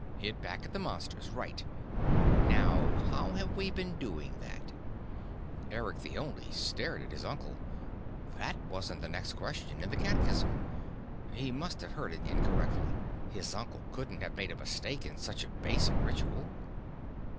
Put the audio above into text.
_" "Hit back at the Monsters. Right. Now how have we been doing that?" Eric the Only stared at his uncle. That wasn't the next question in the catechism. He must have heard incorrectly. His uncle couldn't have made a mistake in such a basic ritual.